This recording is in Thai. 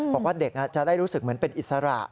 บอกว่าเด็กจะได้รู้สึกเหมือนเป็นอิสระ